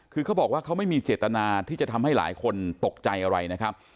คือเขาบอกว่าเขาไม่มีเจตนาที่จะทำให้หลายคนตกใจอะไรนะครับ